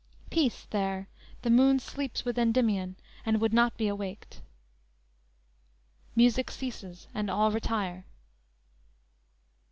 Peace, there, the moon sleeps with Endymion And would not be awaked."_ (Music ceases and all retire.)